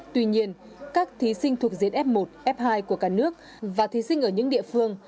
tuy nhiên các thí sinh thuộc diện f một f hai của cả nước và thí sinh ở những địa phương